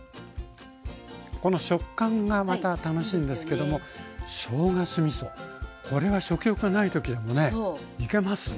この食感がまた楽しいんですけどもしょうが酢みそこれは食欲がない時でもねいけますね。